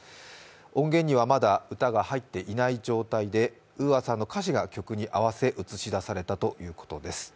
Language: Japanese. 音源にはまだ歌が入っていない状態でＵＡさんの歌詞が曲に合わせ映し出されたということです。